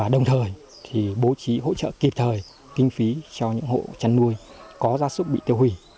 đồng thời bố trí hỗ trợ kịp thời kinh phí cho những hộ chăn nuôi có gia súc bị tiêu hủy